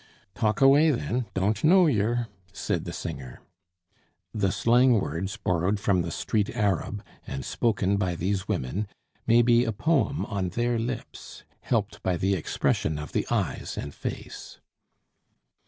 "Talk away, then, 'don't know yer,'" said the singer. The slang words, borrowed from the Street Arab, and spoken by these women, may be a poem on their lips, helped by the expression of the eyes and face.